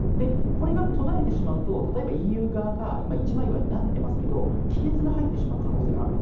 これが途絶えてしまうとＥＵ側は今、一枚岩になってますけど、亀裂が入ってしまう可能性もある。